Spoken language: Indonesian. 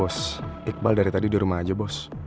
bos iqbal dari tadi di rumah aja bos